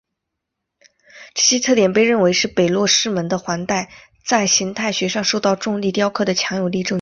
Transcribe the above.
这些特点被认为是北落师门的环带在形态学上受到重力雕刻的强有力证据。